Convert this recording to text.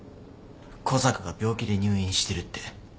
小坂が病気で入院してるって。